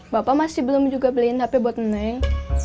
bapak masih belum juga beliin hp buat nenek